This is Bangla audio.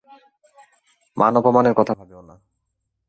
মান-অপমানের কথা ভাবিয়ো না!